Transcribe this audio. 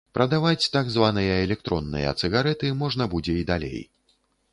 Прадаваць так званыя электронныя цыгарэты можна будзе і далей.